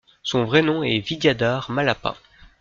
Son vrai nom est Vidyadhar Mallappa.